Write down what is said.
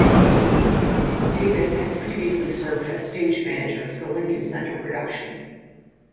Davis had previously served as stage manager for the Lincoln Center production.